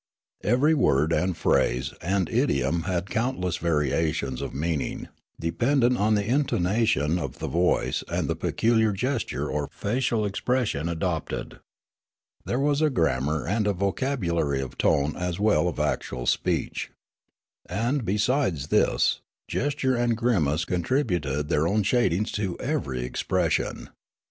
Every word and phrase and idiom had countless variations of meaning dependent on the in tonation of the voice and the peculiar gesture or facial expression adopted. There was a grammar and voc abulary of tone as well as of actual speech. And, be sides this, gesture and grimace contributed their own shadings to ev^er>' expression.